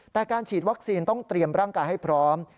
แต่การฉีดวัคซีนต้องเตรียมร่างกายให้พร้อม